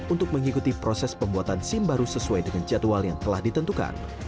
untuk mengikuti proses pembuatan sim baru sesuai dengan jadwal yang telah ditentukan